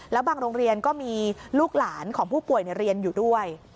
แล้วบางโรงเรียนก็มีลูกหลานของผู้ป่วยเรียนอยู่ด้วย